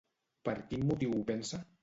Per quin motiu ho pensa?